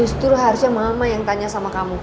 justru harusnya mama yang tanya sama kamu